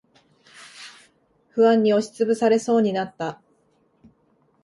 不安に押しつぶされそうになった。